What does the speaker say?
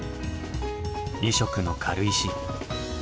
２色の軽石。